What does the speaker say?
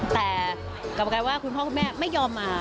แต่กลับกลายว่าคุณพ่อคุณแม่ไม่ยอมมา